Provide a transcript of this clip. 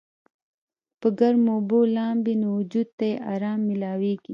پۀ ګرمو اوبو لامبي نو وجود ته ئې ارام مېلاويږي